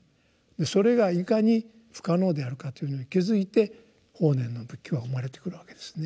それがいかに不可能であるかというのに気付いて法然の仏教は生まれてくるわけですね。